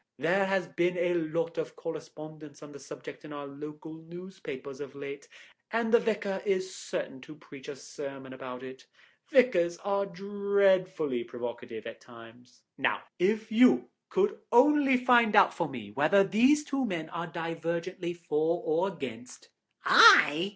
There has been a lot of correspondence on the subject in our local newspapers of late, and the vicar is certain to preach a sermon about it; vicars are dreadfully provocative at times. Now, if you could only find out for me whether these two men are divergently for or against—" "I!"